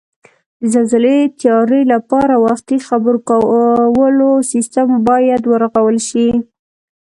د زلزلې تیاري لپاره وختي خبرکولو سیستم بیاد ورغول شي